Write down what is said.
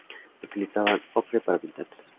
Utilizaban ocre para pintar.